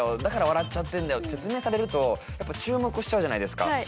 だから笑っちゃってんだよ」って説明されるとやっぱ注目しちゃうじゃないですか。